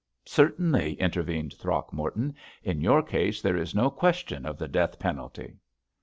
"Certainly," intervened Throgmorton, "in your case there is no question of the death penalty."